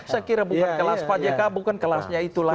saya kira bukan kelas pak jk bukan kelasnya itulah